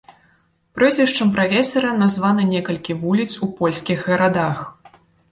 Прозвішчам прафесара названа некалькі вуліц у польскіх гарадах.